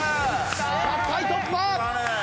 １００回突破！